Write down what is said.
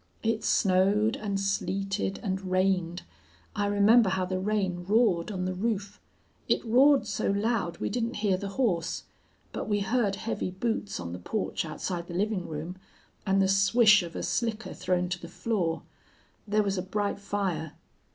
It snowed and sleeted and rained. I remember how the rain roared on the roof. It roared so loud we didn't hear the horse. But we heard heavy boots on the porch outside the living room, and the swish of a slicker thrown to the floor. There was a bright fire.